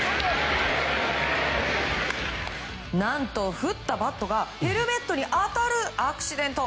何と振ったバットがヘルメットに当たるアクシデント。